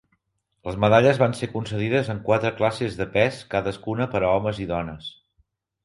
Les medalles van ser concedides en quatre classes de pes cadascuna per a homes i dones.